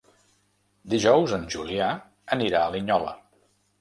Dijous en Julià anirà a Linyola.